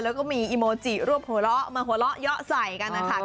แล้วก็มีอีโมจิรวบหัวเราะมาหัวเราะเยาะใส่กันนะคะ